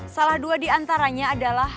salah dua diantaranya adalah